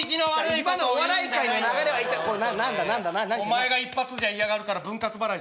お前が一発じゃ嫌がるから分割払い。